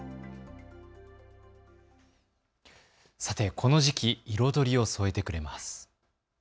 この時期、彩りを添えてくれます。